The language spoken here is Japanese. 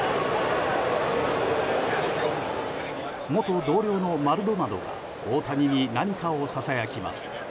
元同僚のマルドナドが大谷に何かをささやきます。